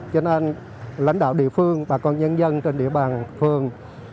cho nên lãnh đạo địa phương bà con nhân dân trên địa bàn phường